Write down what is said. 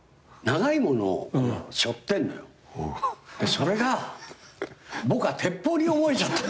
それが僕は鉄砲に思えちゃった。